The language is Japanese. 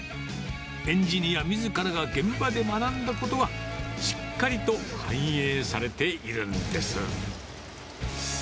エンジニアみずからが現場で学んだことは、しっかりと反映されているんです。